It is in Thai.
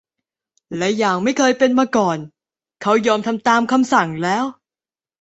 และอย่างไม่เคยเป็นมาก่อน เขายอมทำตามคำสั่งแล้ว